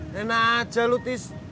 nenak aja lu tis